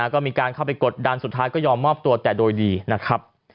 ก็มีการเข้าไปกดดันสุดท้ายก็ยอมมอบตัวแต่โดยดีนะครับ